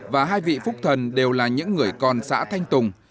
và hai vị phúc thần đều là những người con xã thanh tùng